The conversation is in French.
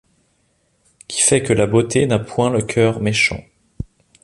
Qui fait que la beauté n'a point le coeur méchant.